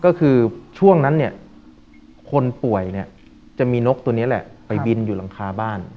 ก็คือช่วงนั้นเนี่ยคนป่วยเนี่ยจะมีนกตัวนี้แหละไปบินอยู่หลังคาบ้าน